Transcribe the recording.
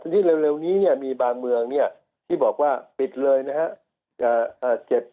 ที่เร็วนี้เนี่ยมีบางเมืองที่บอกว่าปิดเลยนะครับ